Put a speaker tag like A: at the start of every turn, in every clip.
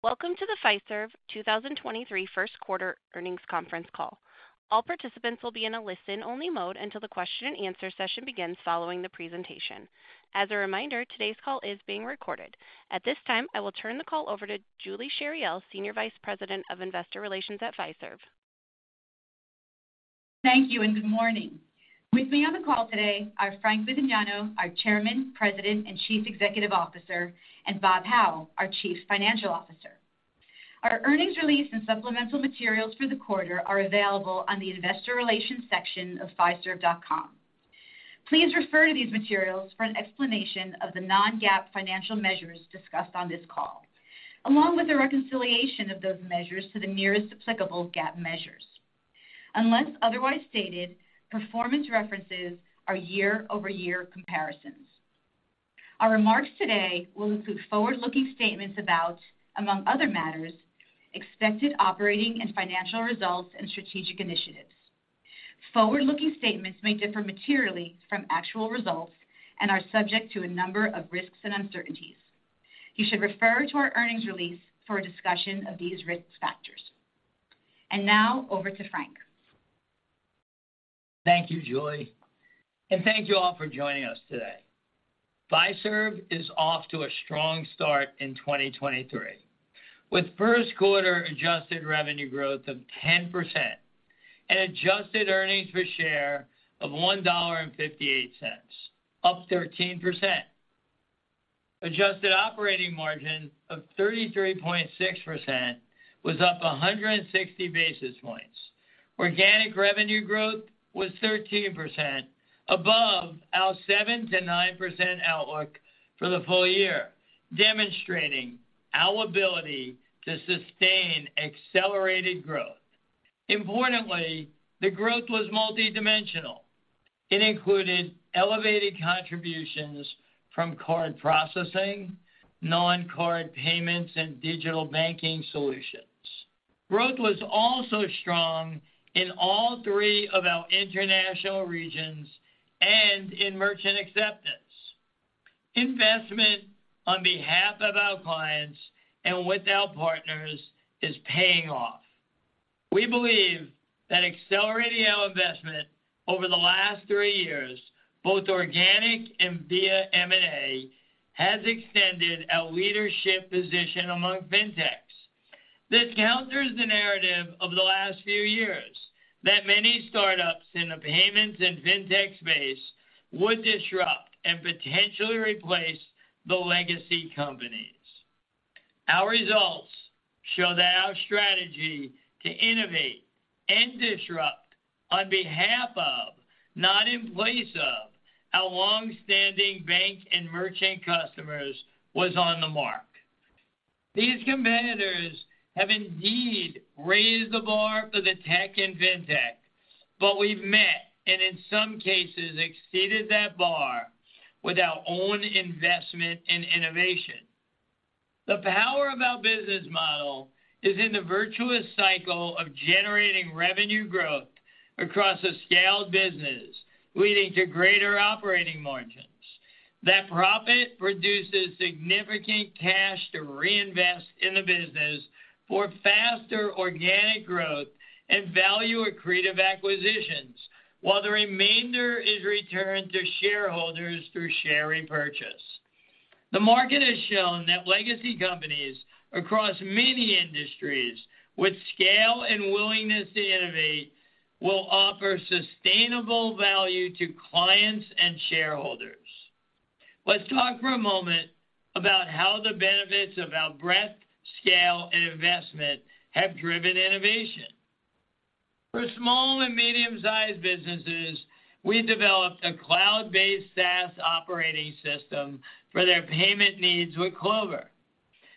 A: Welcome to the Fiserv 2023 first quarter earnings conference call. All participants will be in a listen-only mode until the question-and-answer session begins following the presentation. As a reminder, today's call is being recorded. At this time, I will turn the call over to Julie Chariell, Senior Vice President, Investor Relations at Fiserv.
B: Thank you and good morning. With me on the call today are Frank Bisignano, our Chairman, President, and Chief Executive Officer, and Bob Hau, our Chief Financial Officer. Our earnings release and supplemental materials for the quarter are available on the Investor Relations section of fiserv.com. Please refer to these materials for an explanation of the non-GAAP financial measures discussed on this call, along with a reconciliation of those measures to the nearest applicable GAAP measures. Unless otherwise stated, performance references are year-over-year comparisons. Our remarks today will include forward-looking statements about, among other matters, expected operating and financial results and strategic initiatives. Forward-looking statements may differ materially from actual results and are subject to a number of risks and uncertainties. You should refer to our earnings release for a discussion of these risk factors. Now over to Frank.
C: Thank you, Julie. Thank you all for joining us today. Fiserv is off to a strong start in 2023 with first quarter adjusted revenue growth of 10% and adjusted earnings per share of $1.58, up 13%. Adjusted operating margin of 33.6% was up 160 basis points. Organic revenue growth was 13% above our 7%-9% outlook for the full year, demonstrating our ability to sustain accelerated growth. Importantly, the growth was multidimensional. It included elevated contributions from card processing, non-card payments, and digital banking solutions. Growth was also strong in all three of our international regions and in merchant acceptance. Investment on behalf of our clients and with our partners is paying off. We believe that accelerating our investment over the last three years, both organic and via M&A, has extended our leadership position among fintechs. This counters the narrative of the last few years that many startups in the payments and fintech space would disrupt and potentially replace the legacy companies. Our results show that our strategy to innovate and disrupt on behalf of, not in place of, our long-standing bank and merchant customers was on the mark. These competitors have indeed raised the bar for the tech and fintech, but we've met, and in some cases exceeded that bar with our own investment in innovation. The power of our business model is in the virtuous cycle of generating revenue growth across a scaled business, leading to greater operating margins. That profit produces significant cash to reinvest in the business for faster organic growth and value accretive acquisitions, while the remainder is returned to shareholders through share repurchase. The market has shown that legacy companies across many industries with scale and willingness to innovate will offer sustainable value to clients and shareholders. Let's talk for a moment about how the benefits of our breadth, scale, and investment have driven innovation. For small and medium-sized businesses, we developed a cloud-based SaaS operating system for their payment needs with Clover.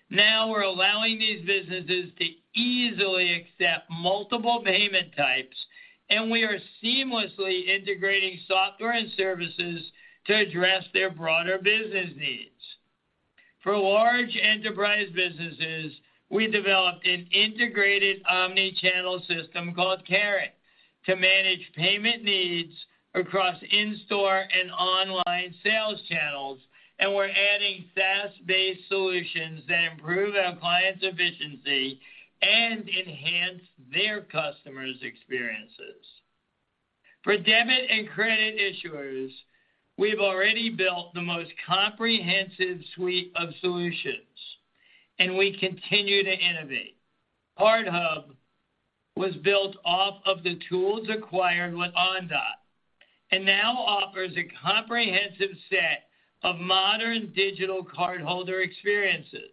C: Now we're allowing these businesses to easily accept multiple payment types, and we are seamlessly integrating software and services to address their broader business needs. For large enterprise businesses, we developed an integrated omni-channel system called Carat to manage payment needs across in-store and online sales channels, and we're adding SaaS-based solutions that improve our clients' efficiency and enhance their customers' experiences. For debit and credit issuers, we've already built the most comprehensive suite of solutions, and we continue to innovate. CardHub was built off of the tools acquired with Ondot and now offers a comprehensive set of modern digital cardholder experiences.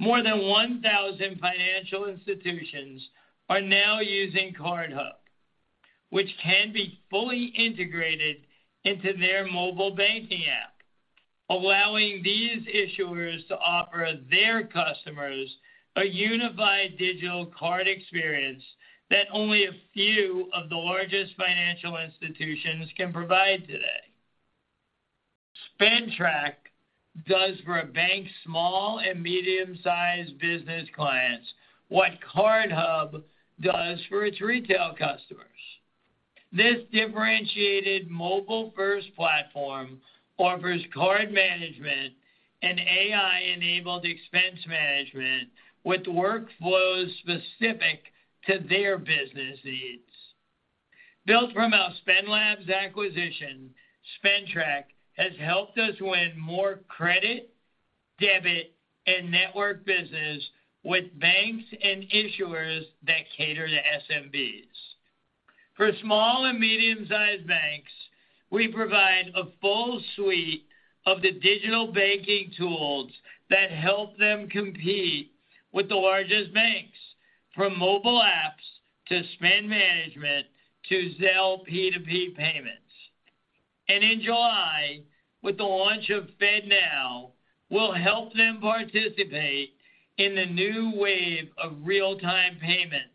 C: More than 1,000 financial institutions are now using CardHub, which can be fully integrated into their mobile banking app, allowing these issuers to offer their customers a unified digital card experience that only a few of the largest financial institutions can provide today. SpendTrack does for a bank's small and medium-sized business clients what CardHub does for its retail customers. This differentiated mobile-first platform offers card management and AI-enabled expense management with workflows specific to their business needs. Built from our Spend Labs acquisition, SpendTrack has helped us win more credit, debit, and network business with banks and issuers that cater to SMBs. For small and medium-sized banks, we provide a full suite of the digital banking tools that help them compete with the largest banks, from mobile apps to spend management to Zelle P2P payments. In July, with the launch of FedNow, we'll help them participate in the new wave of real-time payments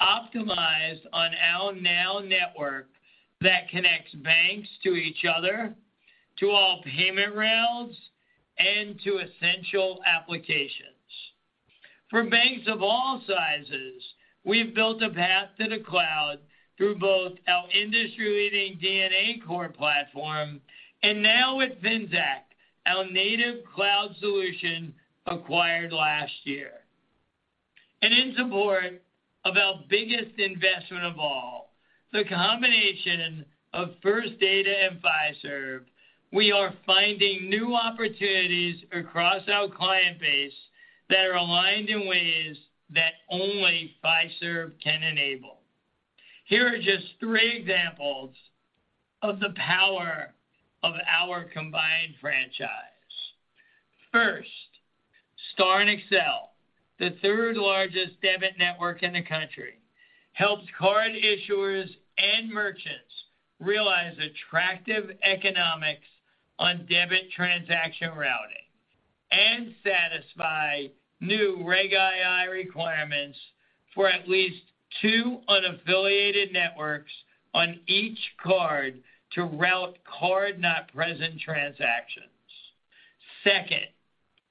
C: optimized on our NOW Network that connects banks to each other, to all payment rails, and to essential applications. For banks of all sizes, we've built a path to the cloud through both our industry-leading DNA core platform and now with Finxact, our native cloud solution acquired last year. In support of our biggest investment of all, the combination of First Data and Fiserv, we are finding new opportunities across our client base that are aligned in ways that only Fiserv can enable. Here are just three examples of the power of our combined franchise. First, STAR and Accel, the third-largest debit network in the country, helps card issuers and merchants realize attractive economics on debit transaction routing and satisfy new Reg II requirements for at least two unaffiliated networks on each card to route card-not-present transactions. Second,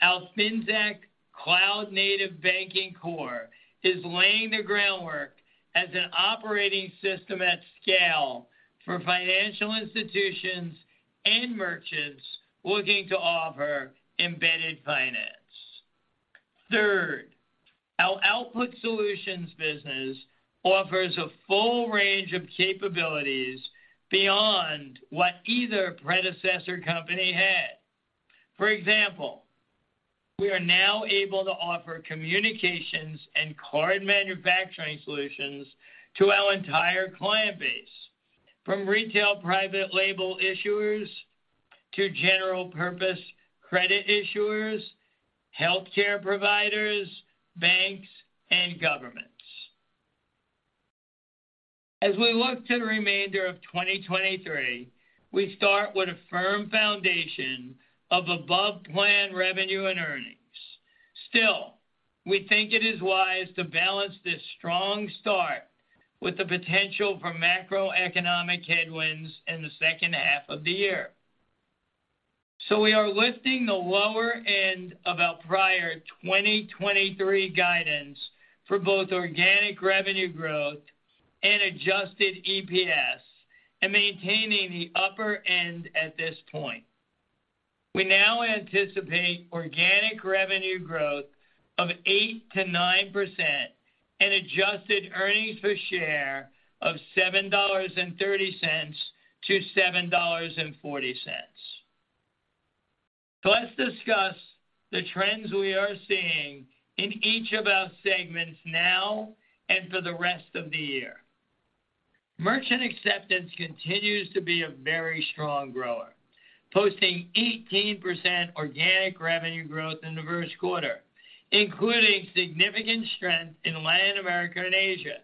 C: our Finxact cloud-native banking core is laying the groundwork as an operating system at scale for financial institutions and merchants looking to offer embedded finance. Third, our output solutions business offers a full range of capabilities beyond what either predecessor company had. For example, we are now able to offer communications and card manufacturing solutions to our entire client base, from retail private label issuers to general purpose credit issuers, healthcare providers, banks, and governments. As we look to the remainder of 2023, we start with a firm foundation of above-plan revenue and earnings. Still, we think it is wise to balance this strong start with the potential for macroeconomic headwinds in the second half of the year. We are lifting the lower end of our prior 2023 guidance for both organic revenue growth and adjusted EPS and maintaining the upper end at this point. We now anticipate organic revenue growth of 8%-9% and adjusted earnings per share of $7.30-$7.40. Let's discuss the trends we are seeing in each of our segments now and for the rest of the year. Merchant acceptance continues to be a very strong grower, posting 18% organic revenue growth in the first quarter, including significant strength in Latin America and Asia,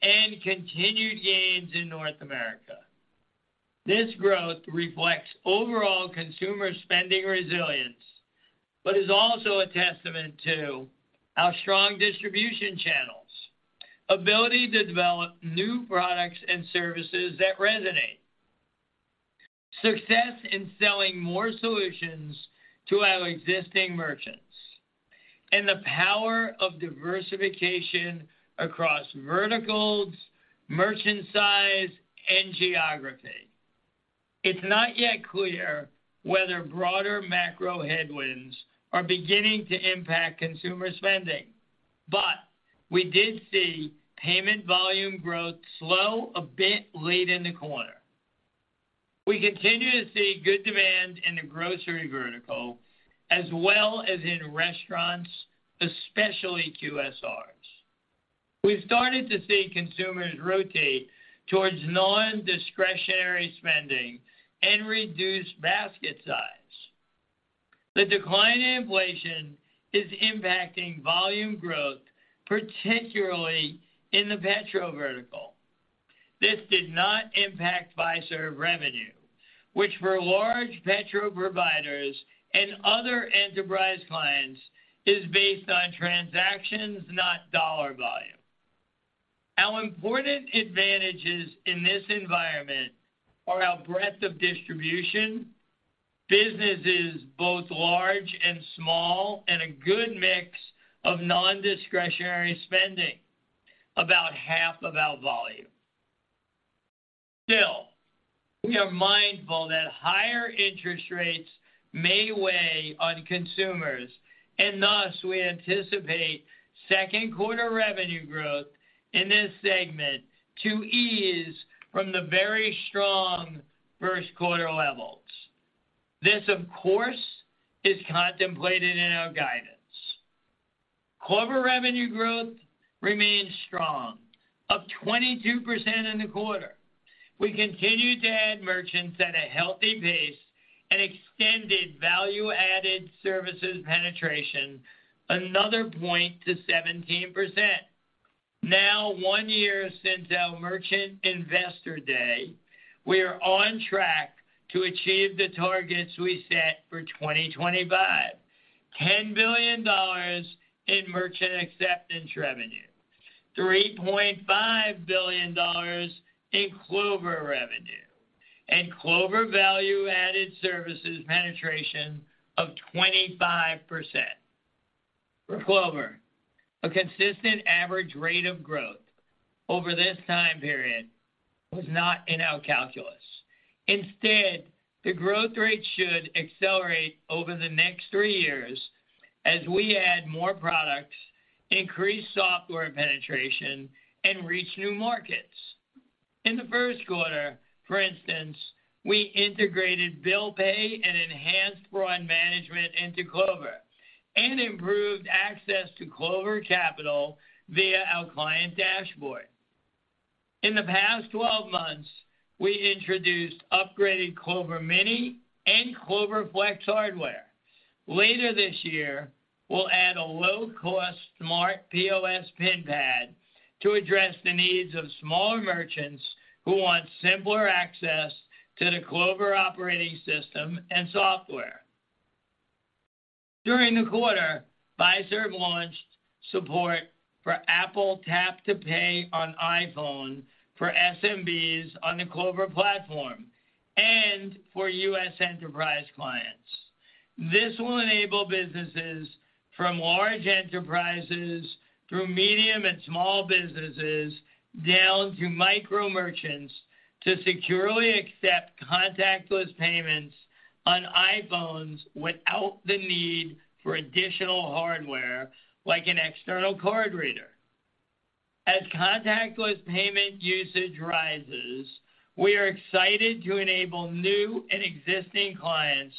C: and continued gains in North America. This growth reflects overall consumer spending resilience, but is also a testament to our strong distribution channels, ability to develop new products and services that resonate, success in selling more solutions to our existing merchants, and the power of diversification across verticals, merchant size, and geography. It's not yet clear whether broader macro headwinds are beginning to impact consumer spending, but we did see payment volume growth slow a bit late in the quarter. We continue to see good demand in the grocery vertical as well as in restaurants, especially QSRs. We started to see consumers rotate towards nondiscretionary spending and reduced basket size. The decline in inflation is impacting volume growth, particularly in the petrol vertical. This did not impact Fiserv revenue, which for large petrol providers and other enterprise clients, is based on transactions, not dollar volume. Our important advantages in this environment are our breadth of distribution, businesses both large and small, and a good mix of non-discretionary spending, about half of our volume. We are mindful that higher interest rates may weigh on consumers, and thus we anticipate second quarter revenue growth in this segment to ease from the very strong first quarter levels. This, of course, is contemplated in our guidance. Clover revenue growth remains strong of 22% in the quarter. We continue to add merchants at a healthy pace and extended value-added services penetration another point to 17%. One year since our merchant investor day, we are on track to achieve the targets we set for 2025. $10 billion in merchant acceptance revenue, $3.5 billion in Clover revenue, and Clover value-added services penetration of 25%. For Clover, a consistent average rate of growth over this time period was not in our calculus. Instead, the growth rate should accelerate over the next three years as we add more products, increase software penetration, and reach new markets. In the first quarter, for instance, we integrated bill pay and enhanced fraud management into Clover and improved access to Clover Capital via our client dashboard. In the past 12 months, we introduced upgraded Clover Mini and Clover Flex hardware. Later this year, we'll add a low-cost smart POS pin pad to address the needs of smaller merchants who want simpler access to the Clover operating system and software. During the quarter, Fiserv launched support for Apple Tap to Pay on iPhone for SMBs on the Clover platform and for U.S. enterprise clients. This will enable businesses from large enterprises through medium and small businesses down to micro merchants to securely accept contactless payments on iPhones without the need for additional hardware like an external card reader. As contactless payment usage rises, we are excited to enable new and existing clients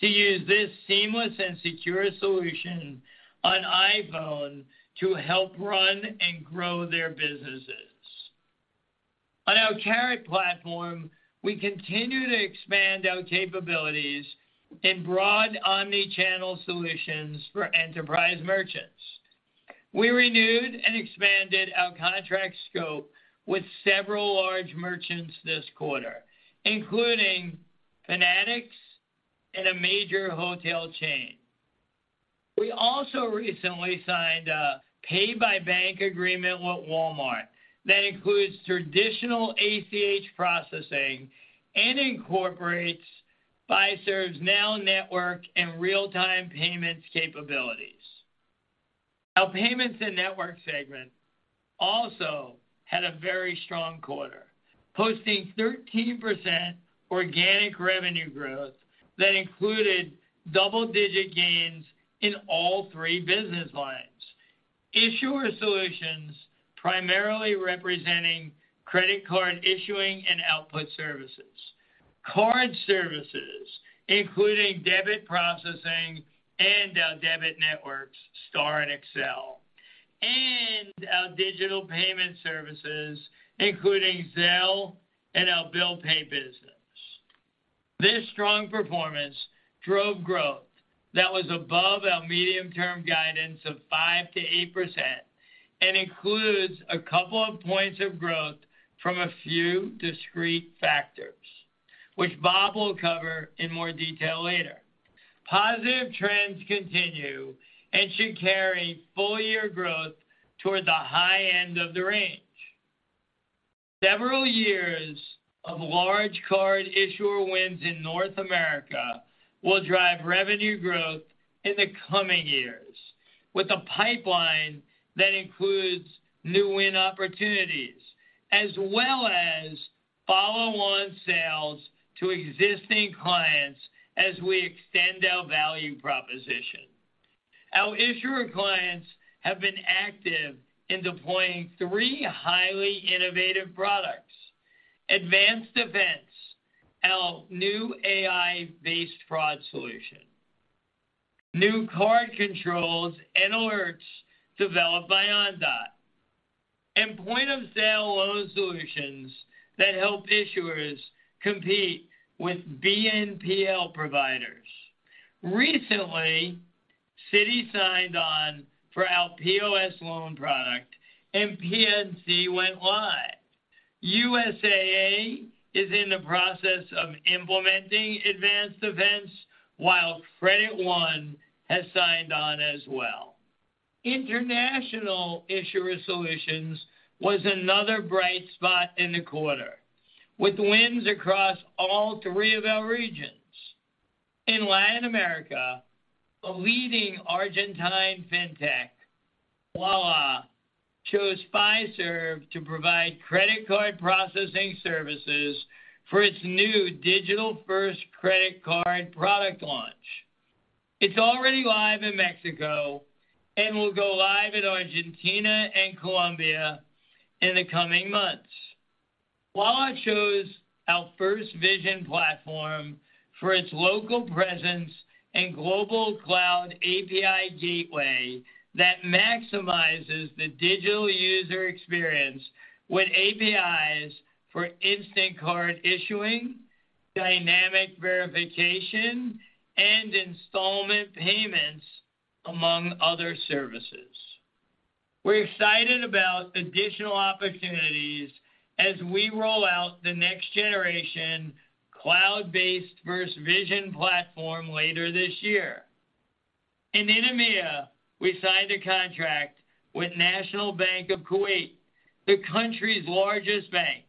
C: to use this seamless and secure solution on iPhone to help run and grow their businesses. On our Carat platform, we continue to expand our capabilities in broad omni-channel solutions for enterprise merchants. We renewed and expanded our contract scope with several large merchants this quarter, including Fanatics and a major hotel chain. We also recently signed a pay-by-bank agreement with Walmart that includes traditional ACH processing and incorporates Fiserv's NOW Network and real-time payments capabilities. Our payments and network segment also had a very strong quarter, posting 13% organic revenue growth that included double-digit gains in all three business lines. Issuer solutions primarily representing credit card issuing and output services, card services, including debit processing and our debit networks, STAR and Accel, and our digital payment services, including Zelle and our bill pay business. This strong performance drove growth that was above our medium-term guidance of 5%-8% and includes a couple of points of growth from a few discrete factors, which Bob will cover in more detail later. Positive trends continue and should carry full-year growth toward the high-end of the range. Several years of large card issuer wins in North America will drive revenue growth in the coming years with a pipeline that includes new win opportunities as well as follow-on sales to existing clients as we extend our value proposition. Our issuer clients have been active in deploying three highly innovative products: Advanced Events, our new AI-based fraud solution, new card controls and alerts developed by Ondot, and point-of-sale loan solutions that help issuers compete with BNPL providers. Recently, Citi signed on for our POS loan product, and PNC went live. USAA is in the process of implementing Advanced Events, while Credit One has signed on as well. International Issuer Solutions was another bright spot in the quarter, with wins across all three of our regions. In Latin America, a leading Argentine fintech, Ualá, chose Fiserv to provide credit card processing services for its new digital-first credit card product launch. It's already live in Mexico and will go live in Argentina and Colombia in the coming months. Ualá chose our FirstVision platform for its local presence and global cloud API gateway that maximizes the digital user experience with APIs for instant card issuing, dynamic verification, and installment payments, among other services. We're excited about additional opportunities as we roll out the next generation cloud-based FirstVision platform later this year. In EMEA, we signed a contract with National Bank of Kuwait, the country's largest bank,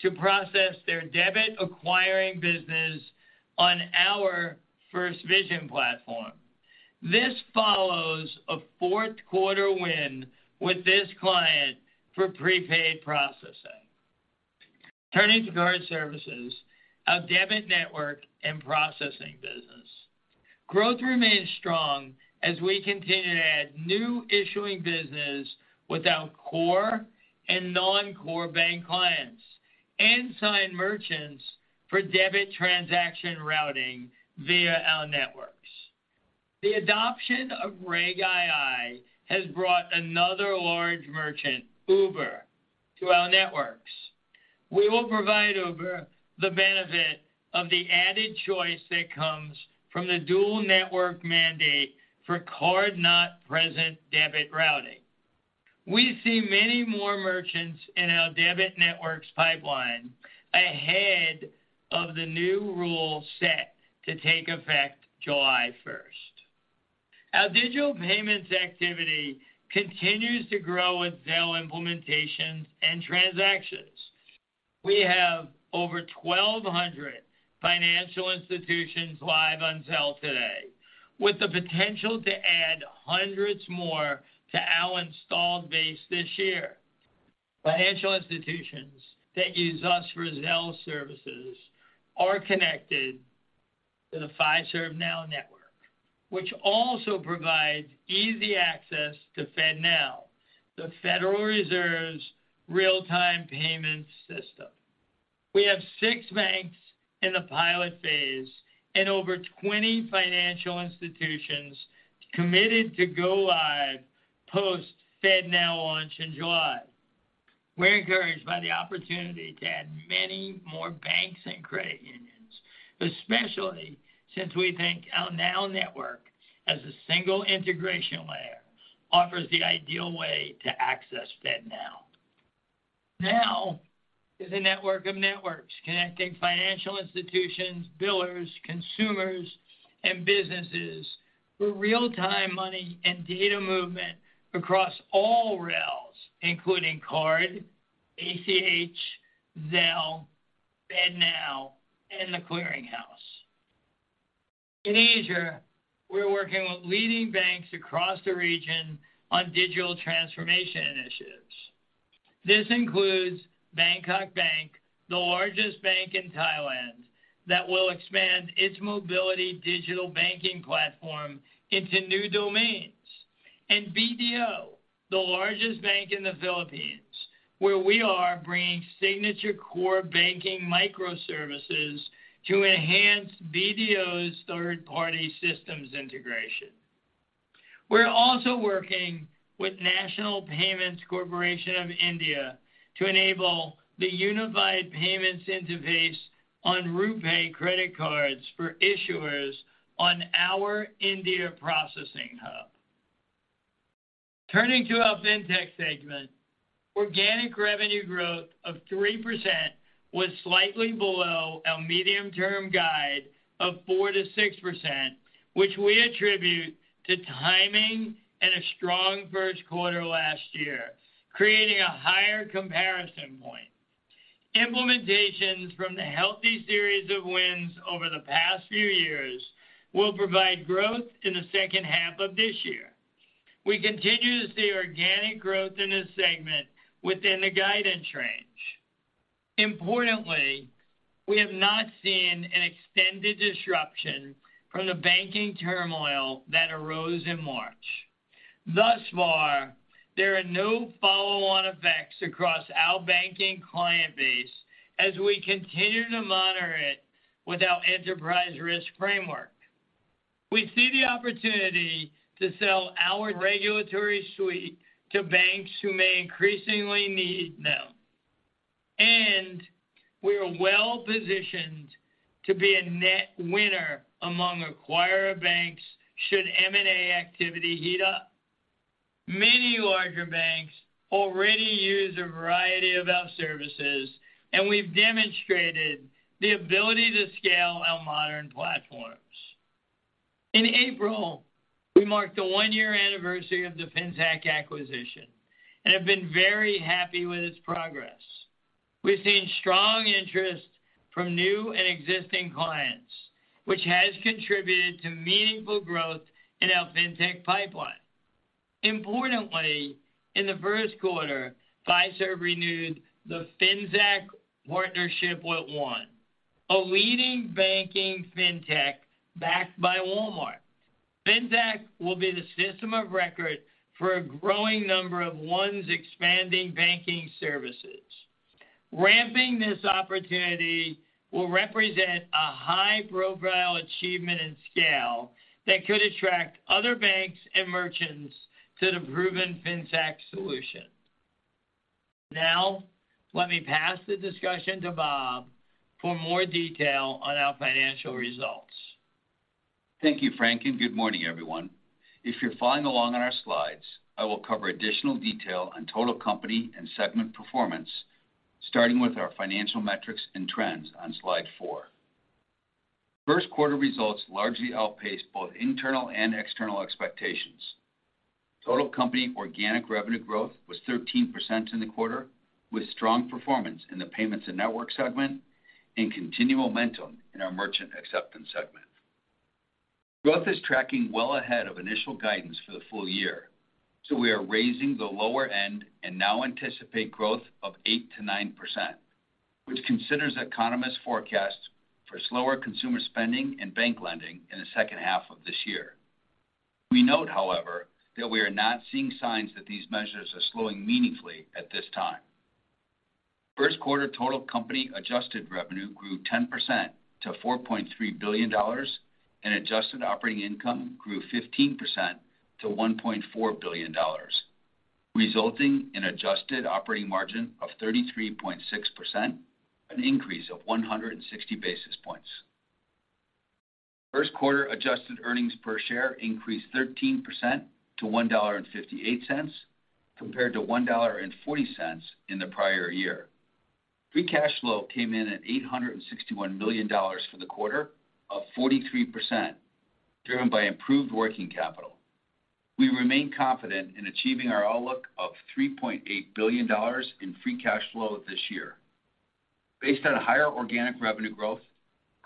C: to process their debit acquiring business on our FirstVision platform. This follows a fourth-quarter win with this client for prepaid processing. Turning to card services, our debit network and processing business. Growth remains strong as we continue to add new issuing business with our core and non-core bank clients and sign merchants for debit transaction routing via our networks. The adoption of Reg II has brought another large merchant, Uber, to our networks. We will provide Uber the benefit of the added choice that comes from the dual network mandate for card-not-present debit routing. We see many more merchants in our debit networks pipeline ahead of the new rule set to take effect July 1st. Our digital payments activity continues to grow with Zelle implementations and transactions. We have over 1,200 financial institutions live on Zelle today, with the potential to add hundreds more to our installed base this year. Financial institutions that use us for Zelle services are connected to the Fiserv NOW Network, which also provides easy access to FedNow, the Federal Reserve's real-time payment system. We have six banks in the pilot phase and over 20 financial institutions committed to go live post FedNow launch in July. We're encouraged by the opportunity to add many more banks and credit unions, especially since we think our NOW Network as a single integration layer offers the ideal way to access FedNow. NOW is a network of networks connecting financial institutions, billers, consumers, and businesses for real-time money and data movement across all rails, including card, ACH, Zelle, FedNow, and The Clearing House. In Asia, we're working with leading banks across the region on digital transformation initiatives. This includes Bangkok Bank, the largest bank in Thailand, that will expand its mobility digital banking platform into new domains. BDO, the largest bank in the Philippines, where we are bringing Signature core banking microservices to enhance BDO's third-party systems integration. We're also working with National Payments Corporation of India to enable the Unified Payments Interface on RuPay credit cards for issuers on our India processing hub. Turning to our Fintech segment, organic revenue growth of 3% was slightly below our medium-term guide of 4%-6%, which we attribute to timing and a strong first quarter last year, creating a higher comparison point. Implementations from the healthy series of wins over the past few years will provide growth in the second half of this year. We continue to see organic growth in this segment within the guidance range. Importantly, we have not seen an extended disruption from the banking turmoil that arose in March. Thus far, there are no follow-on effects across our banking client base as we continue to monitor it with our enterprise risk framework. We see the opportunity to sell our regulatory suite to banks who may increasingly need them. We are well-positioned to be a net winner among acquirer banks should M&A activity heat up. Many larger banks already use a variety of our services, and we've demonstrated the ability to scale our modern platforms. In April, we marked the one-year anniversary of the Finxact acquisition and have been very happy with its progress. We've seen strong interest from new and existing clients, which has contributed to meaningful growth in our fintech pipeline. Importantly, in the first quarter, Fiserv renewed the Finxact partnership with One, a leading banking fintech backed by Walmart. Finxact will be the system of record for a growing number of One's expanding banking services. Ramping this opportunity will represent a high-profile achievement and scale that could attract other banks and merchants to the proven Finxact solution. Now let me pass the discussion to Bob for more detail on our financial results.
D: Thank you, Frank. Good morning, everyone. If you're following along on our slides, I will cover additional detail on total company and segment performance, starting with our financial metrics and trends on slide four. First quarter results largely outpaced both internal and external expectations. Total company organic revenue growth was 13% in the quarter, with strong performance in the payments and network segment and continual momentum in our merchant acceptance segment. Growth is tracking well ahead of initial guidance for the full year, so we are raising the lower end and now anticipate growth of 8%-9%, which considers economists' forecasts for slower consumer spending and bank lending in the second half of this year. We note, however, that we are not seeing signs that these measures are slowing meaningfully at this time. First quarter total company adjusted revenue grew 10% to $4.3 billion and adjusted operating income grew 15% to $1.4 billion, resulting in adjusted operating margin of 33.6%, an increase of 160 basis points. First quarter adjusted earnings per share increased 13% to $1.58 compared to $1.40 in the prior year. Free cash flow came in at $861 million for the quarter of 43%, driven by improved working capital. We remain confident in achieving our outlook of $3.8 billion in free cash flow this year. Based on higher organic revenue growth,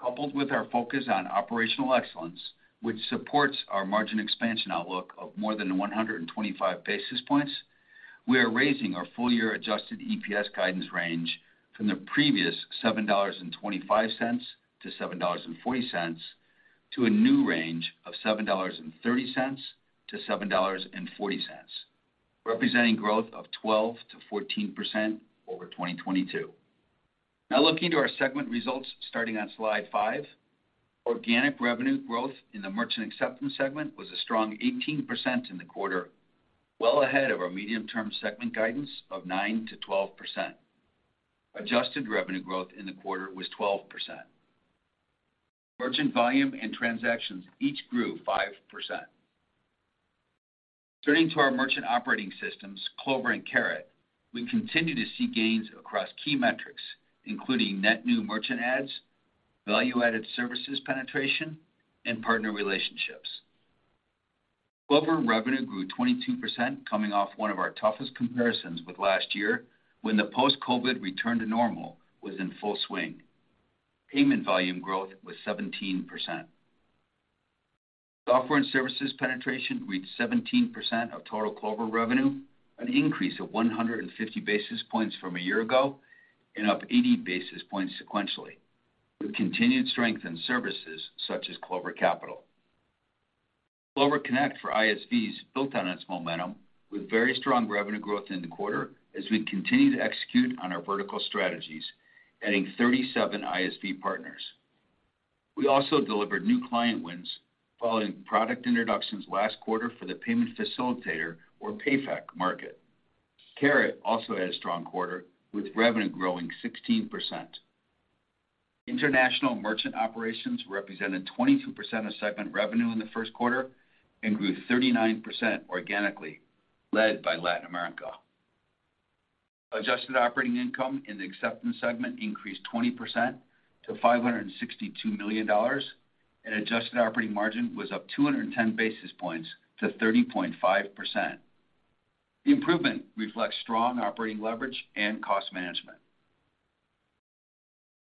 D: coupled with our focus on operational excellence, which supports our margin expansion outlook of more than 125 basis points, we are raising our full year adjusted EPS guidance range from the previous $7.25-$7.40 to a new range of $7.30-$7.40, representing growth of 12%-14% over 2022. Looking to our segment results starting on slide five. Organic revenue growth in the merchant acceptance segment was a strong 18% in the quarter, well ahead of our medium-term segment guidance of 9%-12%. Adjusted revenue growth in the quarter was 12%. Merchant volume and transactions each grew 5%. Turning to our merchant operating systems, Clover and Carat, we continue to see gains across key metrics, including net new merchant adds, value-added services penetration, and partner relationships. Clover revenue grew 22% coming off one of our toughest comparisons with last year when the post-Covid return to normal was in full swing. Payment volume growth was 17%. Software and services penetration reached 17% of total Clover revenue, an increase of 150 basis points from a year ago and up 80 basis points sequentially with continued strength in services such as Clover Capital. Clover Connect for ISVs built on its momentum with very strong revenue growth in the quarter as we continue to execute on our vertical strategies, adding 37 ISV partners. We also delivered new client wins following product introductions last quarter for the payment facilitator or PayFac market. Carat also had a strong quarter with revenue growing 16%. International merchant operations represented 22% of segment revenue in the first quarter and grew 39% organically, led by Latin America. Adjusted operating income in the acceptance segment increased 20% to $562 million and adjusted operating margin was up 210 basis points to 30.5%. The improvement reflects strong operating leverage and cost management.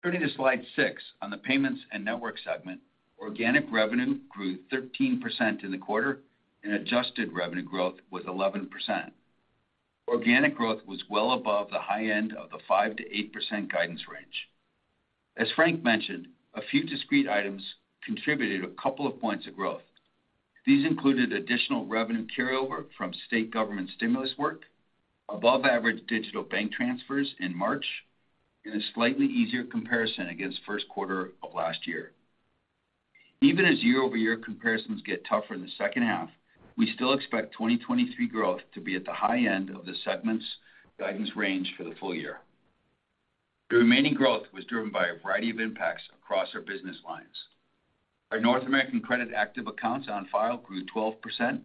D: Turning to Slide 6 on the payments and network segment, organic revenue grew 13% in the quarter and adjusted revenue growth was 11%. Organic growth was well above the high end of the 5%-8% guidance range. As Frank mentioned, a few discrete items contributed a couple of points of growth. These included additional revenue carryover from state government stimulus work, above average digital bank transfers in March, and a slightly easier comparison against first quarter of last year. Even as year-over-year comparisons get tougher in the second half, we still expect 2023 growth to be at the high end of the segment's guidance range for the full year. The remaining growth was driven by a variety of impacts across our business lines. Our North American credit active accounts on file grew 12%,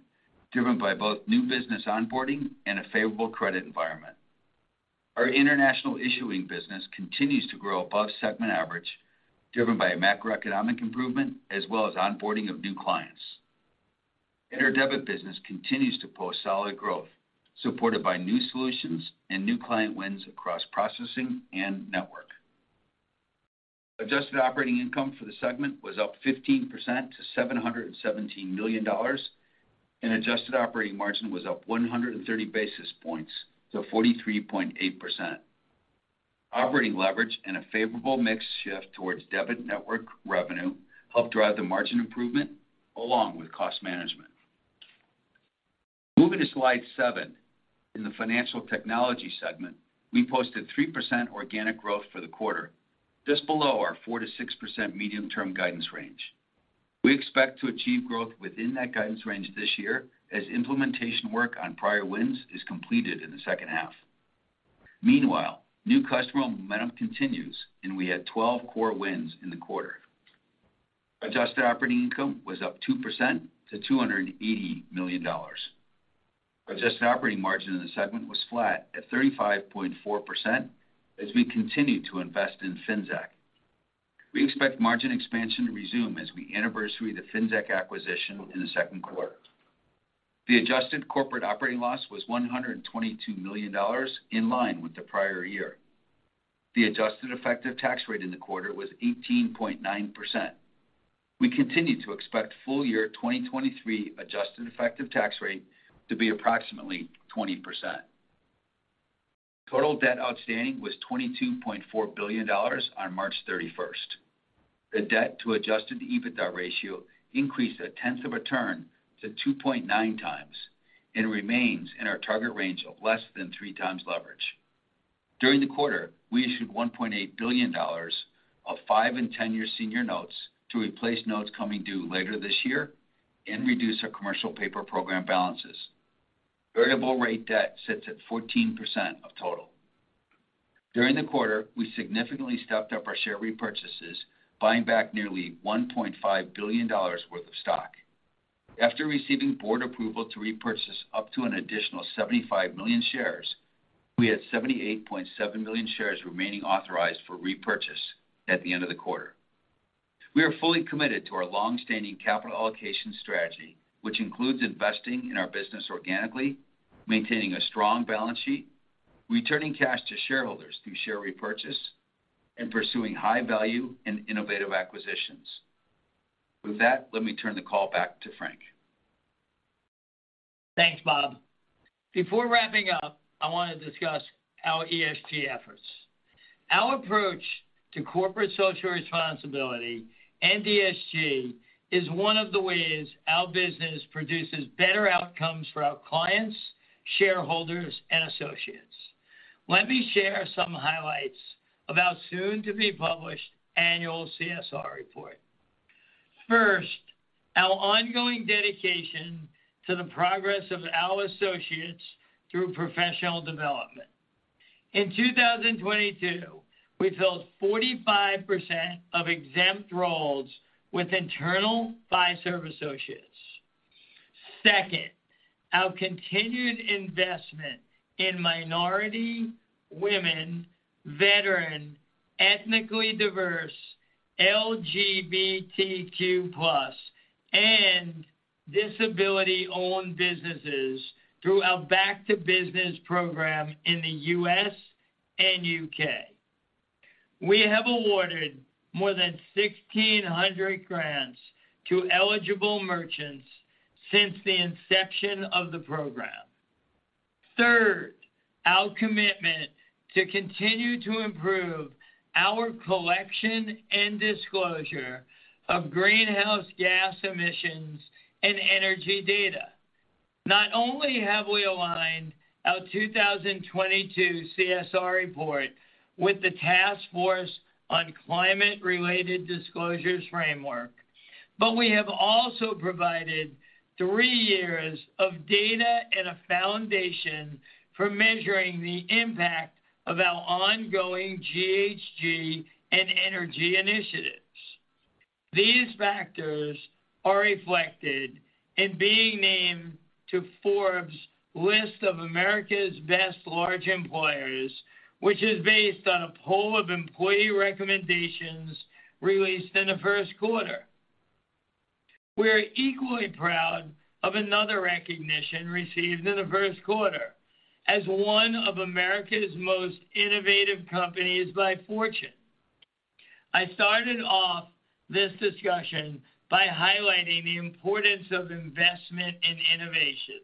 D: driven by both new business onboarding and a favorable credit environment. Our international issuing business continues to grow above segment average, driven by a macroeconomic improvement as well as onboarding of new clients. Our debit business continues to post solid growth, supported by new solutions and new client wins across processing and network. Adjusted operating income for the segment was up 15% to $717 million, and adjusted operating margin was up 130 basis points to 43.8%. Operating leverage and a favorable mix shift towards debit network revenue helped drive the margin improvement along with cost management. Moving to slide seven, in the financial technology segment, we posted 3% organic growth for the quarter, just below our 4%-6% medium-term guidance range. We expect to achieve growth within that guidance range this year as implementation work on prior wins is completed in the second half. Meanwhile, new customer momentum continues, and we had 12 core wins in the quarter. Adjusted operating income was up 2% to $280 million. Adjusted operating margin in the segment was flat at 35.4% as we continued to invest in Finxact. We expect margin expansion to resume as we anniversary the Finxact acquisition in the second quarter. The adjusted corporate operating loss was $122 million in line with the prior year. The adjusted effective tax rate in the quarter was 18.9%. We continued to expect full year 2023 adjusted effective tax rate to be approximately 20%. Total debt outstanding was $22.4 billion on March 31st. The debt to adjusted EBITDA ratio increased a tenth of a turn to 2.9x and remains in our target range of less than 3x leverage. During the quarter, we issued $1.8 billion of five and 10-year senior notes to replace notes coming due later this year and reduce our commercial paper program balances. Variable rate debt sits at 14% of total. During the quarter, we significantly stepped up our share repurchases, buying back nearly $1.5 billion worth of stock. After receiving board approval to repurchase up to an additional 75 million shares, we had 78.7 million shares remaining authorized for repurchase at the end of the quarter. We are fully committed to our long-standing capital allocation strategy, which includes investing in our business organically, maintaining a strong balance sheet, returning cash to shareholders through share repurchase, and pursuing high value and innovative acquisitions. With that, let me turn the call back to Frank.
C: Thanks, Bob. Before wrapping up, I want to discuss our ESG efforts. Our approach to corporate social responsibility and ESG is one of the ways our business produces better outcomes for our clients, shareholders, and associates. Let me share some highlights about soon-to-be-published annual CSR report. First, our ongoing dedication to the progress of our associates through professional development. In 2022, we filled 45% of exempt roles with internal Fiserv associates. Second, our continued investment in minority women, veteran, ethnically diverse, LGBTQ+, and disability-owned businesses through our Back to Business program in the U.S. and U.K. We have awarded more than 1,600 grants to eligible merchants since the inception of the program. Third, our commitment to continue to improve our collection and disclosure of greenhouse gas emissions and energy data. Not only have we aligned our 2022 CSR report with the Task Force on Climate-related Financial Disclosures framework, we have also provided three years of data and a foundation for measuring the impact of our ongoing GHG and energy initiatives. These factors are reflected in being named to Forbes list of America's best large employers, which is based on a poll of employee recommendations released in the first quarter. We are equally proud of another recognition received in the first quarter as one of America's most innovative companies by Fortune. I started off this discussion by highlighting the importance of investment in innovation.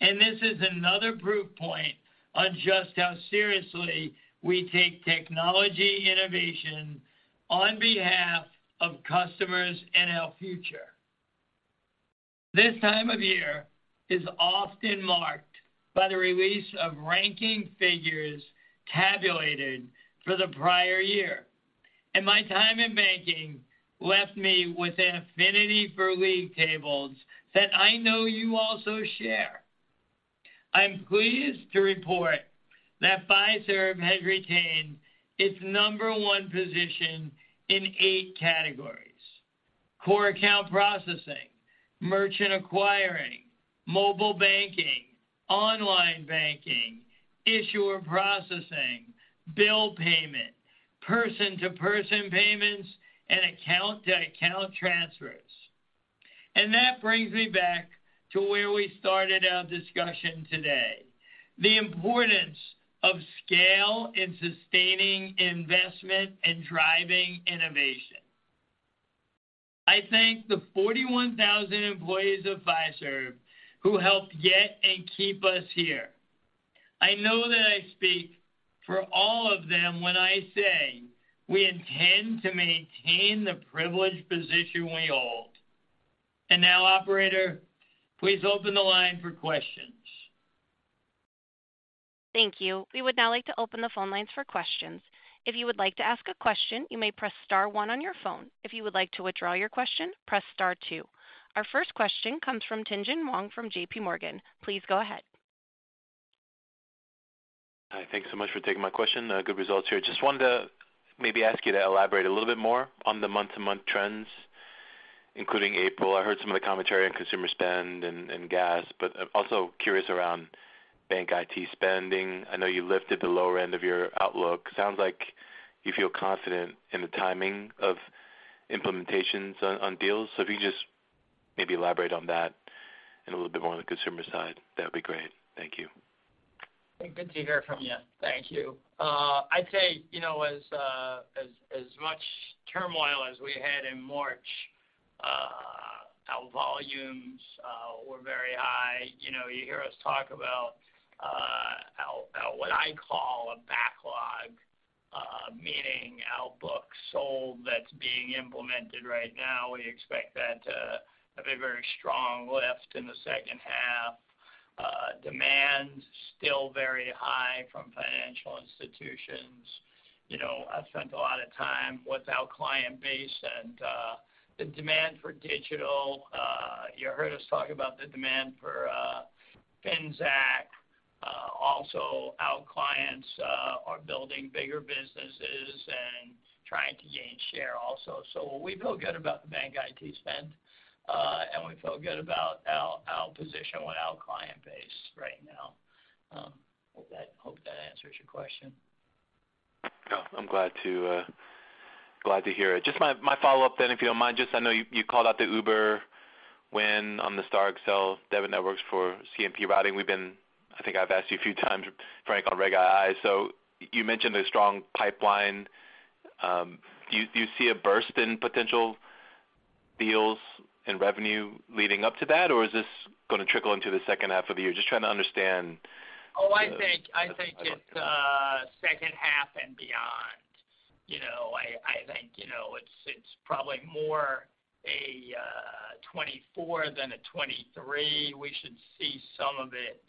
C: This is another proof point on just how seriously we take technology innovation on behalf of customers and our future. This time of year is often marked by the release of ranking figures tabulated for the prior year, and my time in banking left me with an affinity for league tables that I know you also share. I'm pleased to report that Fiserv has retained its number one position in eight categories: core account processing, merchant acquiring, mobile banking, online banking, issuer processing, bill payment, person-to-person payments, and account-to-account transfers. That brings me back to where we started our discussion today, the importance of scale in sustaining investment and driving innovation. I thank the 41,000 employees of Fiserv who helped get and keep us here. I know that I speak for all of them when I say we intend to maintain the privileged position we hold. Now, operator, please open the line for questions.
A: Thank you. We would now like to open the phone lines for questions. If you would like to ask a question, you may press star one on your phone. If you would like to withdraw your question, press star two. Our first question comes from Tien-Tsin Huang from J.P. Morgan. Please go ahead.
E: Hi. Thank you so much for taking my question. Good results here. Just wanted to maybe ask you to elaborate a little bit more on the month-to-month trends, including April. I heard some of the commentary on consumer spend and gas, but I'm also curious around bank IT spending. I know you lifted the lower end of your outlook. Sounds like you feel confident in the timing of implementations on deals. If you can just maybe elaborate on that and a little bit more on the consumer side, that'd be great. Thank you.
C: Good to hear from you. Thank you. I'd say, you know, as much turmoil as we had in March, our volumes were very high. You know, you hear us talk about our what I call a backlog, meaning our books sold that's being implemented right now. We expect that to have a very strong lift in the second half. Demand still very high from financial institutions. You know, I've spent a lot of time with our client base and the demand for digital, you heard us talk about the demand for Finxact. Also, our clients are building bigger businesses and trying to gain share also. We feel good about the bank IT spend and we feel good about our position with our client base right now. Hope that answers your question.
E: Yeah. I'm glad to, glad to hear it. My, my follow-up then, if you don't mind. I know you called out the Uber win on the STAR Accel debit networks for CMP routing. I think I've asked you a few times, Frank, on Regulation II. You mentioned a strong pipeline. Do you see a burst in potential deals and revenue leading up to that, or is this gonna trickle into the second half of the year? Trying to understand the-
C: I think it's second half and beyond. You know, I think, you know, it's probably more a 2024 than a 2023. We should see some of it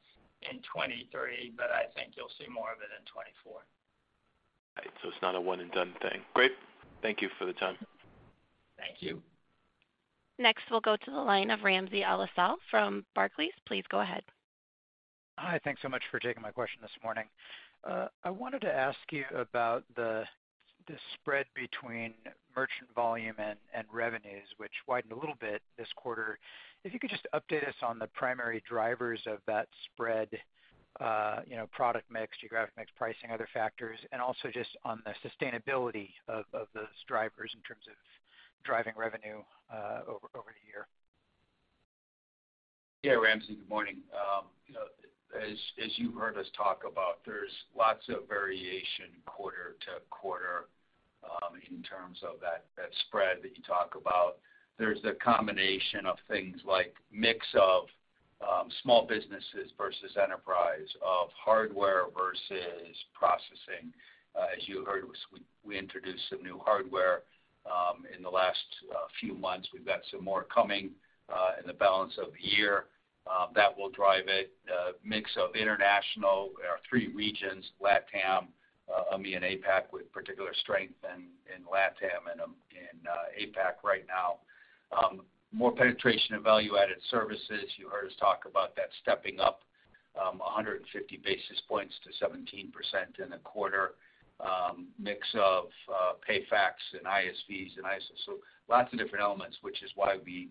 C: in 2023, but I think you'll see more of it in 2024.
E: Right. It's not a one and done thing. Great. Thank you for the time.
C: Thank you.
A: Next, we'll go to the line of Ramsey El-Assal from Barclays. Please go ahead.
F: Hi. Thanks so much for taking my question this morning. I wanted to ask you about the spread between merchant volume and revenues, which widened a little bit this quarter. If you could just update us on the primary drivers of that spread, you know, product mix, geographic mix, pricing, other factors, and also just on the sustainability of those drivers in terms of driving revenue over a year.
D: Yeah. Ramsey, good morning. You know, as you've heard us talk about, there's lots of variation quarter to quarter, in terms of that spread that you talk about. There's the combination of things like mix of small businesses versus enterprise, of hardware versus processing. As you heard, we introduced some new hardware in the last few months. We've got some more coming in the balance of the year. That will drive a mix of international. There are three regions, LatAm, EMEA and APAC with particular strength in LatAm and in APAC right now. More penetration of value-added services. You heard us talk about that stepping up 150 basis points to 17% in a quarter. Mix of PayFacs and ISVs and ISOs. Lots of different elements, which is why we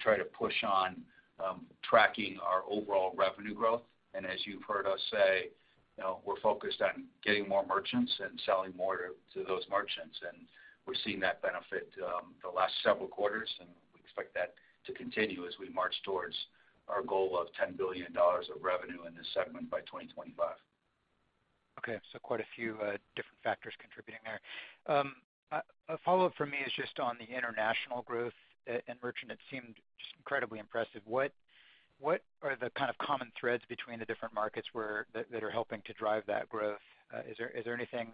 D: try to push on tracking our overall revenue growth. As you've heard us say, you know, we're focused on getting more merchants and selling more to those merchants. We're seeing that benefit the last several quarters, and we expect that to continue as we march towards our goal of $10 billion of revenue in this segment by 2025.
F: Okay. Quite a few different factors contributing there. A follow-up for me is just on the international growth in merchant. It seemed just incredibly impressive. What are the kind of common threads between the different markets that are helping to drive that growth? Is there anything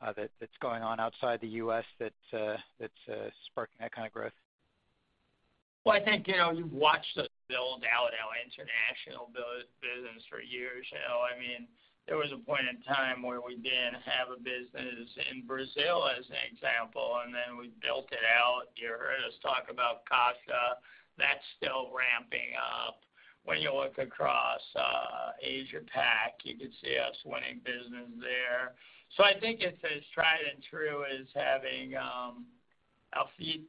F: that's going on outside the U.S. that's sparking that kind of growth?
C: Well, I think, you know, you watch us build out our international business for years. You know, there was a point in time where we didn't have a business in Brazil, as an example, and then we built it out. You heard us talk about Caixa. That's still ramping up. When you look across Asia Pac, you can see us winning business there. I think it's as tried and true as having our feet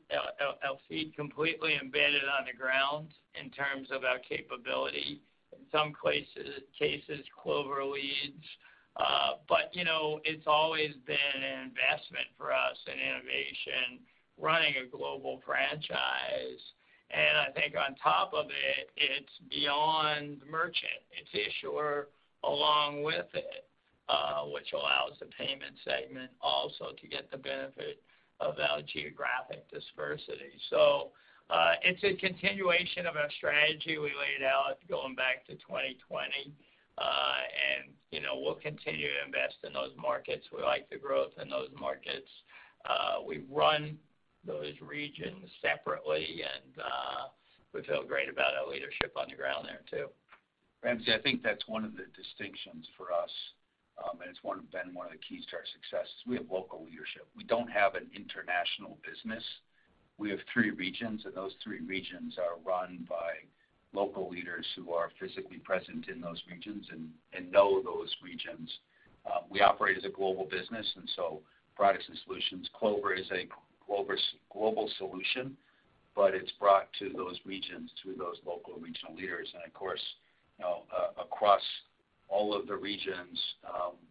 C: completely embedded on the ground in terms of our capability. In some cases, Clover leads. You know, it's always been an investment for us in innovation, running a global franchise. I think on top of it's beyond merchant. It's issuer along with it, which allows the payment segment also to get the benefit of our geographic diversity. It's a continuation of our strategy we laid out going back to 2020. You know, we'll continue to invest in those markets. We like the growth in those markets. We run those regions separately, we feel great about our leadership on the ground there too.
D: Ramsey, I think that's one of the distinctions for us, and it's been one of the keys to our success is we have local leadership. We don't have an international business. We have three regions, and those three regions are run by local leaders who are physically present in those regions and know those regions. We operate as a global business, and so products and solutions. Clover is a global solution, but it's brought to those regions through those local regional leaders. And of course, you know, across all of the regions,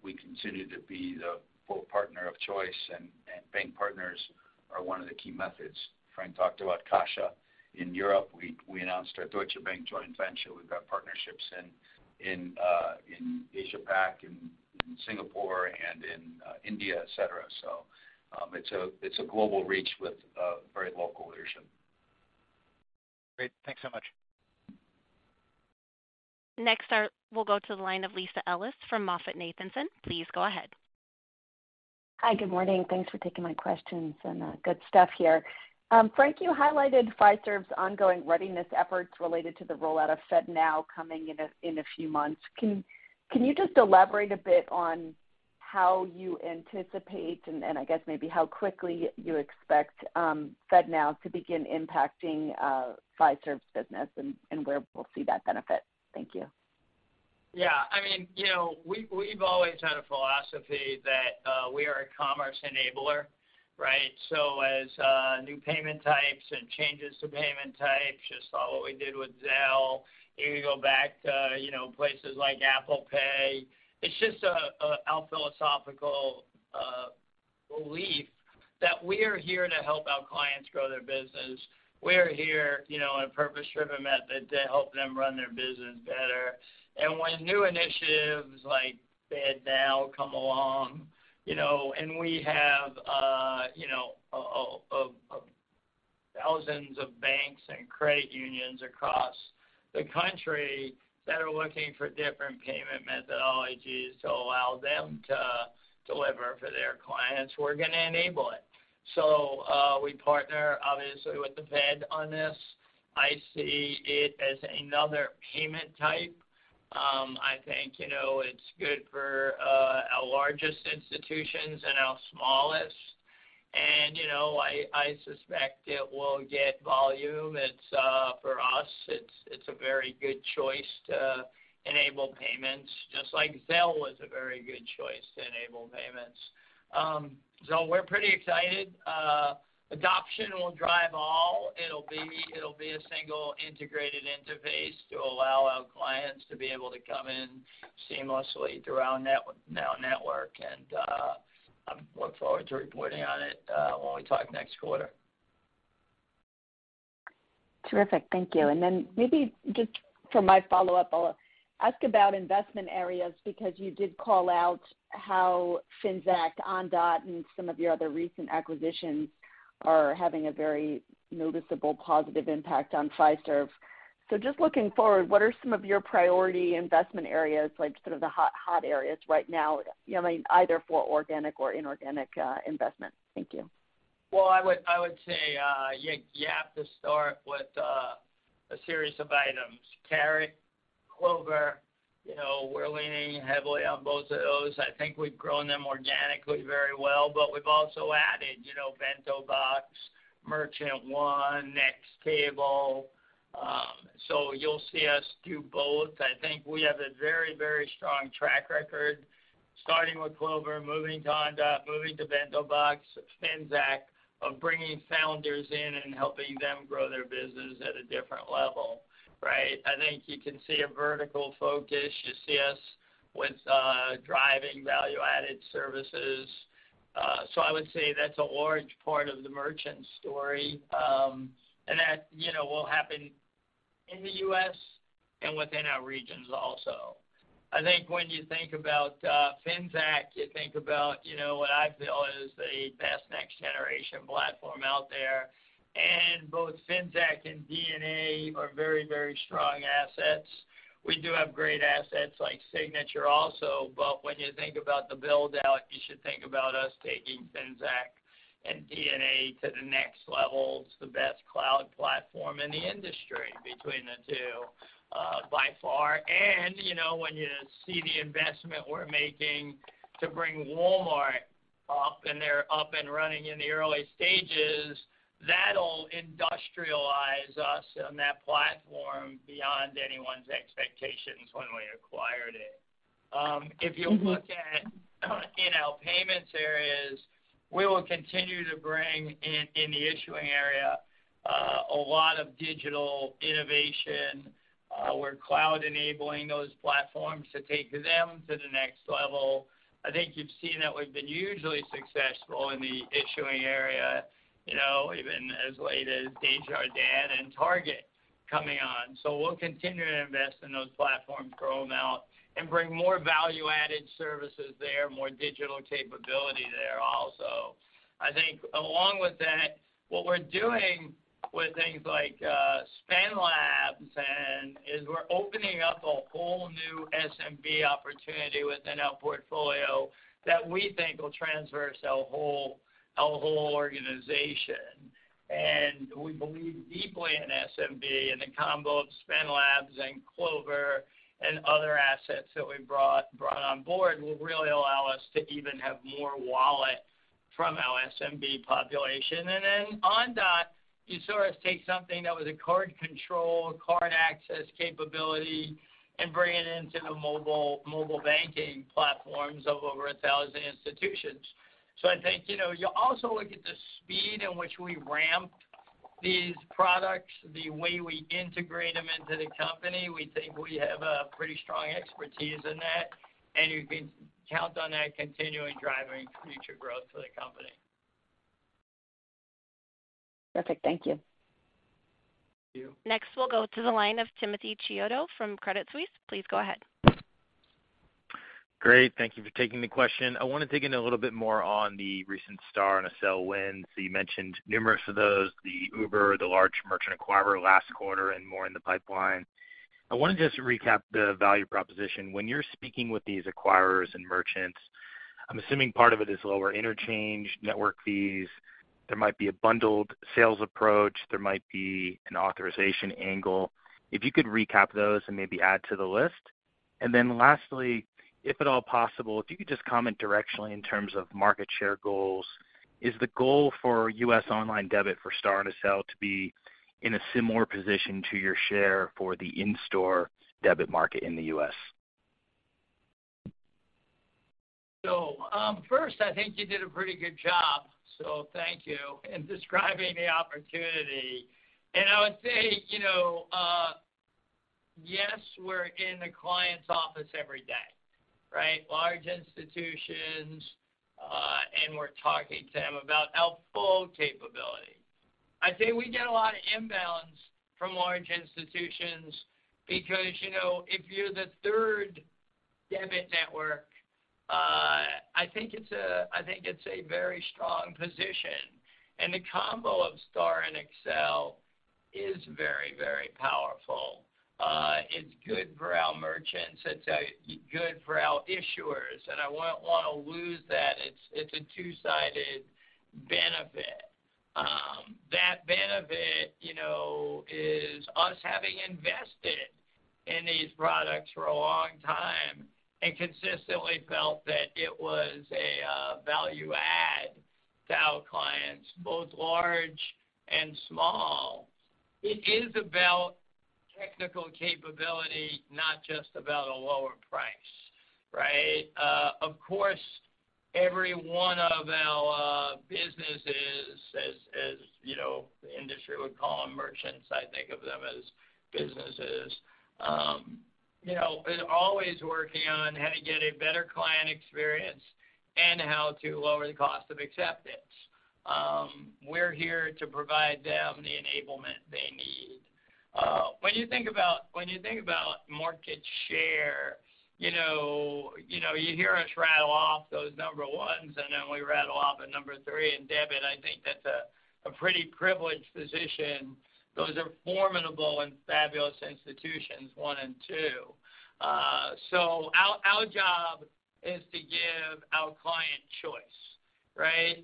D: we continue to be the full partner of choice, and bank partners are one of the key methods. Frank talked about Caixa. In Europe, we announced our Deutsche Bank joint venture. We've got partnerships in Asia Pac, in Singapore, and in India, et cetera. It's a, it's a global reach with, very local leadership.
F: Great. Thanks so much.
A: Next, we'll go to the line of Lisa Ellis from MoffettNathanson. Please go ahead.
G: Hi, good morning. Thanks for taking my questions, and good stuff here. Frank, you highlighted Fiserv's ongoing readiness efforts related to the rollout of FedNow coming in a few months. Can you just elaborate a bit on how you anticipate, and I guess maybe how quickly you expect FedNow to begin impacting Fiserv's business and where we'll see that benefit? Thank you.
C: Yeah. I mean, you know, we've always had a philosophy that we are a commerce enabler, right? As new payment types and changes to payment types, just saw what we did with Zelle. You can go back to, you know, places like Apple Pay. It's just our philosophical belief that we are here to help our clients grow their business. We are here, you know, in a purpose-driven method to help them run their business better. When new initiatives like FedNow come along, you know, and we have, you know, thousands of banks and credit unions across the country that are looking for different payment methodologies to allow them to deliver for their clients, we're gonna enable it. We partner obviously with the Fed on this. I see it as another payment type. I think, you know, it's good for our largest institutions and our smallest. You know, I suspect it will get volume. It's for us, it's a very good choice to enable payments, just like Zelle was a very good choice to enable payments. We're pretty excited. Adoption will drive all. It'll be a single integrated interface to allow our clients to be able to come in seamlessly through our NOW Network, and I look forward to reporting on it when we talk next quarter.
G: Terrific. Thank you. Maybe just for my follow-up, I'll ask about investment areas because you did call out how Finxact, Ondot, and some of your other recent acquisitions are having a very noticeable positive impact on Fiserv. Just looking forward, what are some of your priority investment areas, like sort of the hot areas right now, you know, either for organic or inorganic investment? Thank you.
C: I would say, you have to start with a series of items. Carat, Clover, you know, we're leaning heavily on both of those. I think we've grown them organically very well, but we've also added, you know, BentoBox, Merchant One, Nextable. You'll see us do both. I think we have a very strong track record starting with Clover, moving to Ondot, moving to BentoBox, Finxact, of bringing founders in and helping them grow their business at a different level, right? I think you can see a vertical focus. You see us with driving value-added services. I would say that's a large part of the merchant story. That, you know, will happen in the U.S. and within our regions also. I think when you think about Finxact, you think about, you know, what I feel is the best next generation platform out there. Both Finxact and DNA are very, very strong assets. We do have great assets like Signature also, but when you think about the build-out, you should think about us taking Finxact and DNA to the next level. It's the best cloud platform in the industry between the two, by far. You know, when you see the investment we're making to bring Walmart up and they're up and running in the early stages, that'll industrialize us on that platform beyond anyone's expectations when we acquired it. If you look at, you know, payments areas, we will continue to bring in the issuing area, a lot of digital innovation. We're cloud enabling those platforms to take them to the next level. I think you've seen that we've been usually successful in the issuing area, you know, even as late as Desjardins and Target coming on. We'll continue to invest in those platforms, grow them out and bring more value-added services there, more digital capability there also. I think along with that, what we're doing with things like SpendLabs is we're opening up a whole new SMB opportunity within our portfolio that we think will transverse our whole organization. We believe deeply in SMB and the combo of SpendLabs and Clover and other assets that we brought on board will really allow us to even have more wallet from our SMB population. Ondot, you saw us take something that was a card control, card access capability and bring it into the mobile banking platforms of over 1,000 institutions. I think, you know, you also look at the speed in which we ramp these products, the way we integrate them into the company. We think we have a pretty strong expertise in that, and you can count on that continuing driving future growth for the company.
G: Perfect. Thank you.
C: Thank you.
A: Next, we'll go to the line of Timothy Chiodo from Credit Suisse. Please go ahead.
H: Great. Thank you for taking the question. I want to dig in a little bit more on the recent STAR and Accel wins. You mentioned numerous of those, the Uber, the large merchant acquirer last quarter, and more in the pipeline. I want to just recap the value proposition. When you're speaking with these acquirers and merchants, I'm assuming part of it is lower interchange, network fees. There might be a bundled sales approach. There might be an authorization angle. If you could recap those and maybe add to the list. Then lastly, if at all possible, if you could just comment directionally in terms of market share goals. Is the goal for U.S. online debit for STAR and Accel to be in a similar position to your share for the in-store debit market in the U.S.?
C: First, I think you did a pretty good job, so thank you, in describing the opportunity. I would say, you know, yes, we're in the client's office every day, right? Large institutions, we're talking to them about our full capability. I'd say we get a lot of imbalance from large institutions because, you know, if you're the third debit network, I think it's a very strong position. The combo of STAR and Accel is very powerful. It's good for our merchants. It's good for our issuers, I wouldn't want to lose that. It's a two-sided benefit. That benefit, you know, is us having invested in these products for a long time and consistently felt that it was a value add to our clients, both large and small. It is about technical capability, not just about a lower price, right? Of course, every one of our businesses as you know, the industry would call them merchants, I think of them as businesses, you know, is always working on how to get a better client experience and how to lower the cost of acceptance. We're here to provide them the enablement they need. When you think about market share, you know, you hear us rattle off those number ones, and then we rattle off a number three in debit. I think that's a pretty privileged position. Those are formidable and fabulous institutions, one and two. Our job is to give our client choice, right?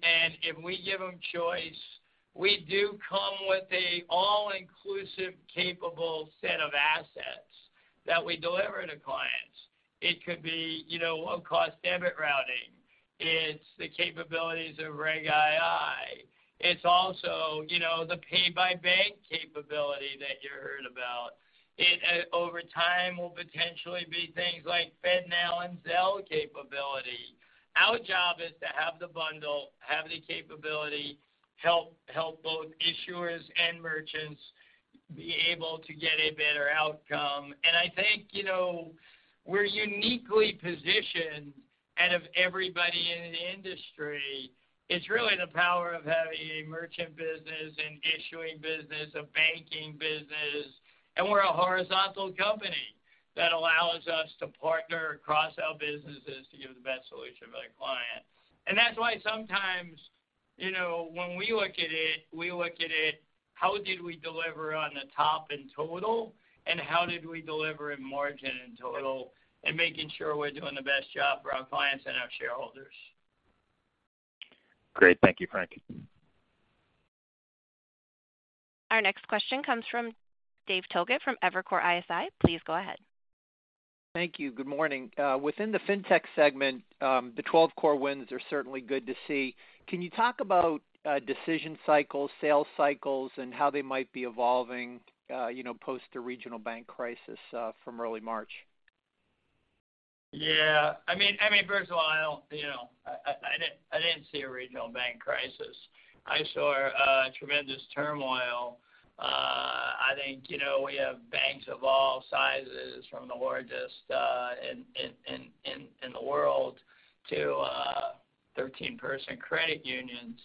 C: If we give them choice, we do come with a all-inclusive, capable set of assets that we deliver to clients. It could be, you know, low-cost debit routing. It's the capabilities of Regulation II. It's also, you know, the pay-by-bank capability that you heard about. It, over time, will potentially be things like FedNow and Zelle capability. Our job is to have the bundle, have the capability, help both issuers and merchants be able to get a better outcome. I think, you know, we're uniquely positioned out of everybody in the industry. It's really the power of having a merchant business, an issuing business, a banking business, and we're a horizontal company that allows us to partner across our businesses to give the best solution for the client. That's why sometimes, you know, when we look at it. How did we deliver on the top in total, and how did we deliver in margin in total and making sure we're doing the best job for our clients and our shareholders.
H: Great. Thank you, Frank.
A: Our next question comes from David Togut from Evercore ISI. Please go ahead.
I: Thank you. Good morning. Within the fintech segment, the 12 core wins are certainly good to see. Can you talk about decision cycles, sales cycles, and how they might be evolving, you know, post the regional bank crisis from early March?
C: Yeah. I mean, first of all, I don't, you know, I didn't see a regional bank crisis. I saw a tremendous turmoil. I think, you know, we have banks of all sizes, from the largest in the world to 13-person credit unions.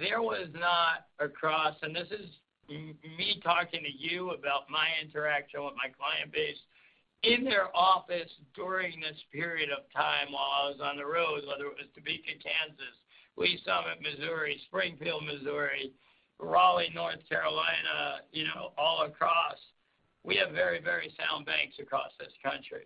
C: There was not across. This is me talking to you about my interaction with my client base. In their office during this period of time while I was on the road, whether it was Topeka, Kansas, Lee's Summit, Missouri, Springfield, Missouri, Raleigh, North Carolina, you know, all across, we have very, very sound banks across this country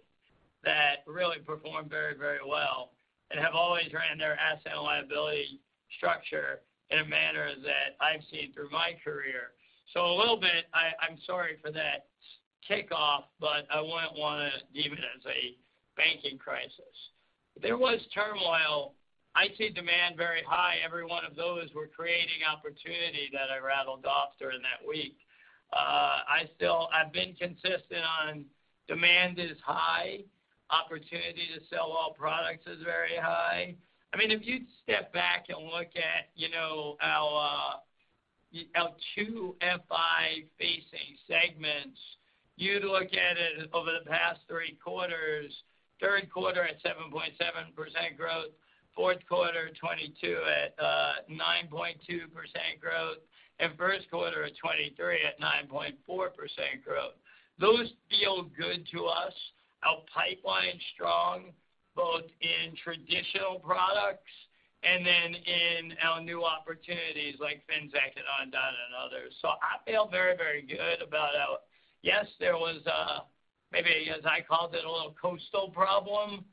C: that really performed very, very well and have always ran their asset and liability structure in a manner that I've seen through my career. A little bit, I'm sorry for that kickoff, I wouldn't wanna deem it as a banking crisis. There was turmoil. I see demand very high. Every one of those were creating opportunity that I rattled off during that week. I've been consistent on demand is high. Opportunity to sell all products is very high. I mean, if you step back and look at, you know, our two FI-facing segments, you'd look at it over the past three quarters, third quarter at 7.7% growth, fourth quarter 2022 at 9.2% growth, and first quarter of 2023 at 9.4% growth. Those feel good to us. Our pipeline's strong, both in traditional products and then in our new opportunities like fintech and Ondot and others. I feel very, very good about our. Yes, there was maybe, as I called it, a little coastal problem.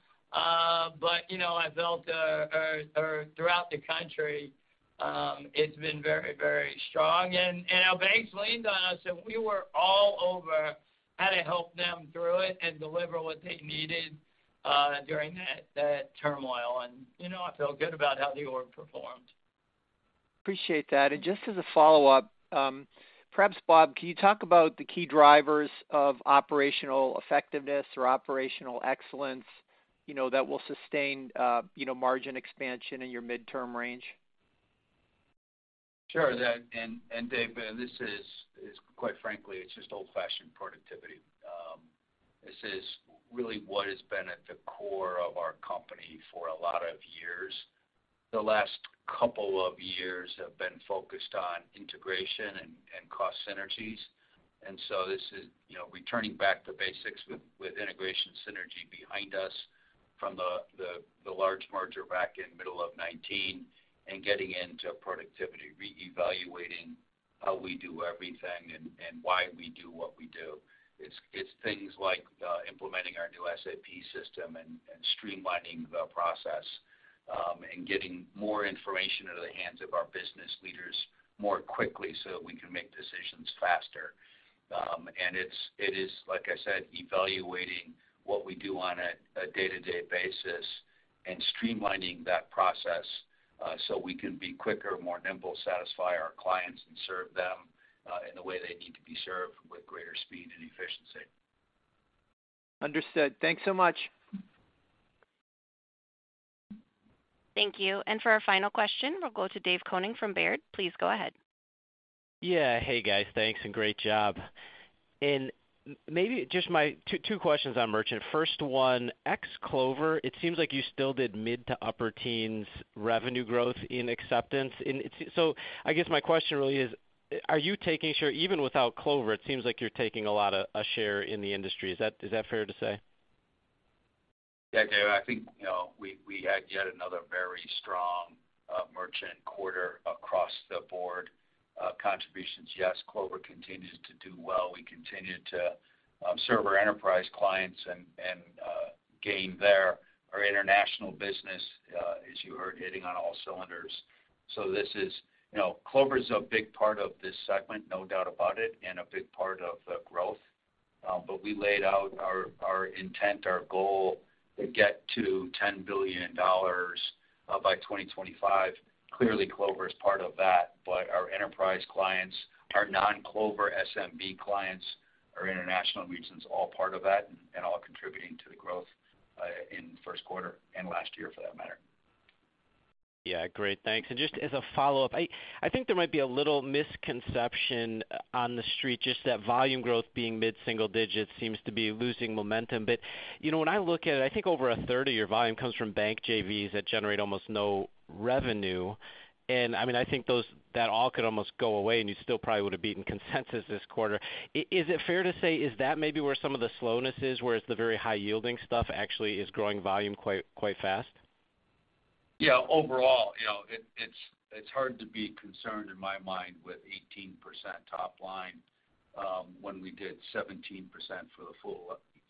C: You know, I felt or throughout the country, it's been very, very strong. Our banks leaned on us, and we were all over how to help them through it and deliver what they needed during that turmoil. You know, I feel good about how New York performed.
I: Appreciate that. Just as a follow-up, perhaps, Bob, can you talk about the key drivers of operational effectiveness or operational excellence, you know, that will sustain, you know, margin expansion in your midterm range?
D: Sure. Dave, this is quite frankly, it's just old-fashioned productivity. This is really what has been at the core of our company for a lot of years. The last couple of years have been focused on integration and cost synergies. This is, you know, returning back to basics with integration synergy behind us from the large merger back in middle of 2019 and getting into productivity, reevaluating how we do everything and why we do what we do. It's things like, implementing our new SAP system and streamlining the process, and getting more information into the hands of our business leaders more quickly so that we can make decisions faster. It is, like I said, evaluating what we do on a day-to-day basis and streamlining that process, so we can be quicker, more nimble, satisfy our clients, and serve them, in the way they need to be served with greater speed and efficiency.
I: Understood. Thanks so much.
A: Thank you. For our final question, we'll go to David Koning from Baird. Please go ahead.
J: Yeah. Hey, guys. Thanks, great job. Maybe just my two questions on Merchant. First one, ex Clover, it seems like you still did mid to upper teens revenue growth in acceptance. I guess my question really is, are you taking share? Even without Clover, it seems like you're taking a lot of share in the industry. Is that fair to say?
D: Yeah, Dave. I think, you know, we had yet another very strong merchant quarter across the board, contributions. Yes, Clover continues to do well. We continue to serve our enterprise clients and gain there. Our international business, as you heard, hitting on all cylinders. You know, Clover is a big part of this segment, no doubt about it, and a big part of the growth. We laid out our intent, our goal to get to $10 billion by 2025. Clearly, Clover is part of that, but our enterprise clients, our non-Clover SMB clients, our international regions, all part of that and all contributing to the growth in first quarter and last year for that matter.
J: Yeah. Great. Thanks. Just as a follow-up, I think there might be a little misconception on the street, just that volume growth being mid-single digits seems to be losing momentum. You know, when I look at it, I think over a third of your volume comes from bank JVs that generate almost no revenue. I mean, I think that all could almost go away, and you still probably would have beaten consensus this quarter. Is it fair to say, is that maybe where some of the slowness is, whereas the very high-yielding stuff actually is growing volume quite fast?
D: Yeah. Overall, you know, it's hard to be concerned in my mind with 18% top line, when we did 17% for the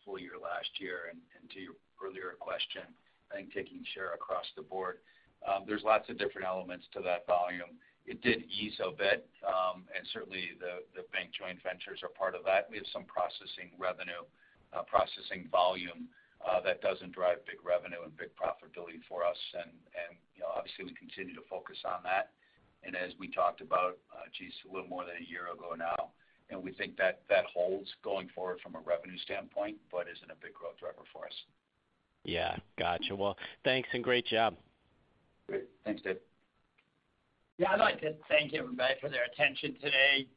D: full year last year. To your earlier question, I think taking share across the board. There's lots of different elements to that volume. It did ease a bit, and certainly the bank joint ventures are part of that. We have some processing revenue, processing volume, that doesn't drive big revenue and big profitability for us. You know, obviously we continue to focus on that. As we talked about, geez, a little more than a year ago now, and we think that that holds going forward from a revenue standpoint, but isn't a big growth driver for us.
J: Yeah. Gotcha. Well, thanks and great job.
D: Great. Thanks, Dave.
C: Yeah. I'd like to thank everybody for their attention today.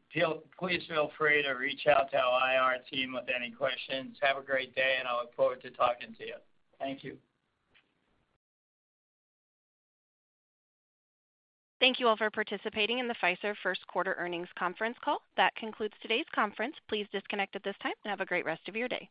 C: Please feel free to reach out to our IR team with any questions. Have a great day, and I look forward to talking to you. Thank you.
A: Thank you all for participating in the Fiserv first quarter earnings conference call. That concludes today's conference. Please disconnect at this time and have a great rest of your day.